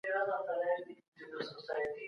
استاد وويل چي اسلام د عدل او برابرۍ دين دی.